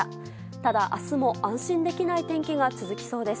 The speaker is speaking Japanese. ただ、明日も安心できない天気が続きそうです。